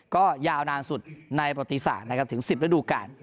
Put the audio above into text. ก็ยาวนานสุดในปฏิสรรคถึง๑๐ฤดูกาล